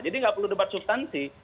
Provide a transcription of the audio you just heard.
jadi gak perlu debat sustansi